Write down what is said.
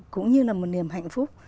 cũng như là một niềm hạnh phúc